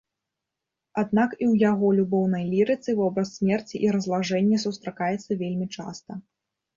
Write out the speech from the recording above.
Аднак і ў яго любоўнай лірыцы вобраз смерці і разлажэння сустракаецца вельмі часта.